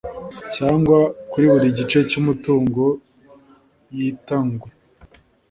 cyangwa kuri buri gice cy umutungo gitangwe